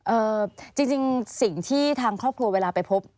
จริงสิ่งที่ทางครอบครัวเวลาไปพบ